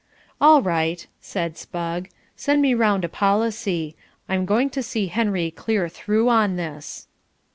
"All right," said Spugg, "send me round a policy. I'm going to see Henry clear through on this."